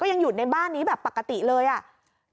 ยังอยู่ในบ้านนี้แบบปกติเลยอ่ะ